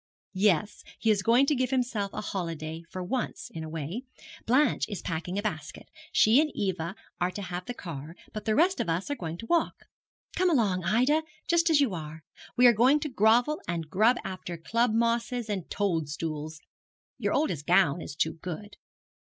'Yes, he is going to give himself a holiday, for once in a way. Blanche is packing a basket. She and Eva are to have the car, but the rest of us are going to walk. Come along, Ida, just as you are. We are going to grovel and grub after club mosses and toad stools. Your oldest gown is too good.'